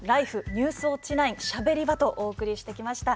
「ニュースウオッチ９」「しゃべり場」とお送りしてきました。